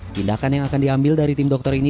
tindakan yang akan diambil dari tim dokter ini